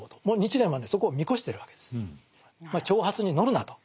もう日蓮はねそこを見越してるわけです。